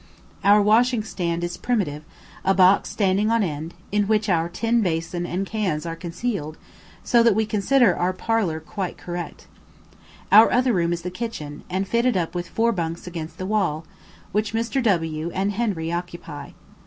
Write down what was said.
Our washing stand is primitive, a box standing on end, in which our tin bason and cans are concealed, so that we can consider our "parlour" quite correct. Our other room is the kitchen, and fitted up with four bunks against the wall, which Mr. W and Henry occupy.